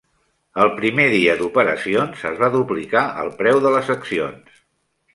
El primer dia d'operacions es va duplicar el preu de les accions.